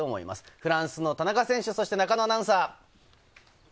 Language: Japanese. フランスの田中選手、そして中野アナウンサー。